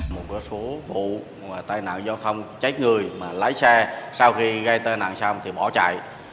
một số vụ tai nạn giao thông chết người mà lái xe sau khi gây tai nạn xong thì bỏ chạy